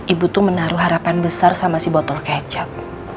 ibu tuh menaruh harapan besar sama si botol kecap